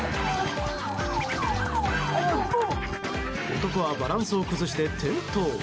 男はバランスを崩して転倒。